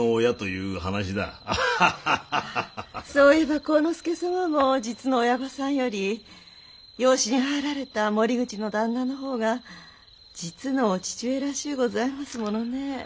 そういえば晃之助様も実の親御さんより養子に入られた森口の旦那のほうが実のお父上らしゅうございますものね。